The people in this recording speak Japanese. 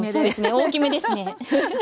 大きめですね。